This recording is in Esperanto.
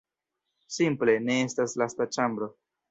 Simple, ne estas lasta ĉambro.